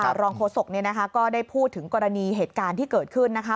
รองโฆษกก็ได้พูดถึงกรณีเหตุการณ์ที่เกิดขึ้นนะคะ